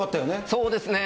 そうですね。